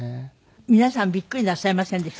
皆さんびっくりなさいませんでした？